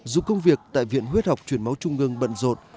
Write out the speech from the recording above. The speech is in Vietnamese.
dù công việc tại viện huyết học chuyển máu trung ngân bận rộn